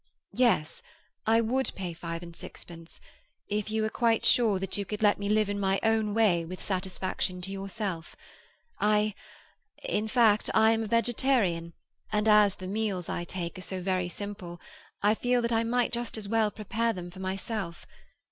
"Yes, I would pay five and sixpence—if you are quite sure that you could let me live in my own way with satisfaction to yourself. I—in fact, I am a vegetarian, and as the meals I take are so very simple, I feel that I might just as well prepare them myself.